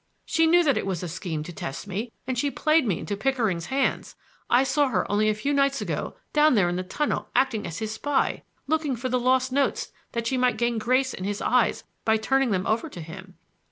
She knew that it was a scheme to test me, and she played me into Pickering's hands. I saw her only a few nights ago down there in the tunnel acting as his spy, looking for the lost notes that she might gain grace in his eyes by turning them over to him.